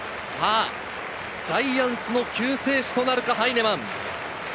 ジャイアンツの救世主となるか、ハイネマン。